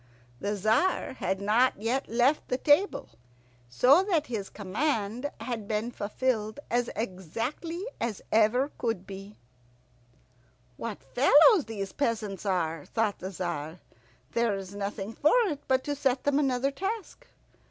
The Tzar had not yet left the table, so that his command had been fulfilled as exactly as ever could be. "What fellows these peasants are," thought the Tzar. "There is nothing for it but to set them another task."